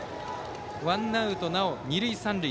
ワンアウト、なお二塁三塁。